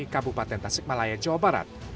kabupaten tasikmalaya jawa barat